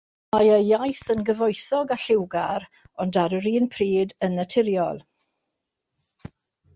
Mae ei iaith yn gyfoethog a lliwgar, ond ar yr un pryd yn naturiol.